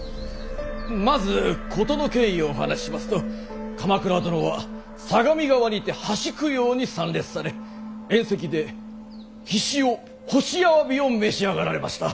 まず事の経緯をお話ししますと鎌倉殿は相模川にて橋供養に参列され宴席でひしお干しあわびを召し上がられました。